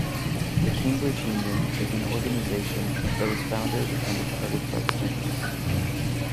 The Cambridge Union is an organisation that was founded and is headed by students.